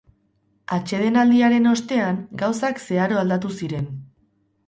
Atsedenaldiaren ostean, gauzak zeharo aldatu ziren.